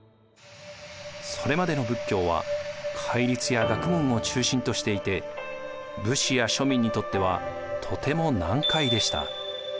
それまでの仏教は戒律や学問を中心としていて武士や庶民にとってはとても難解でした。